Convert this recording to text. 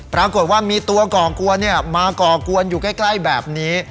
ปรากฏว่ามีตัวก่อกวนมาก่อกวนอยู่ใกล้แบบนี้